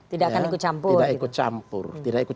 tidak ikut campur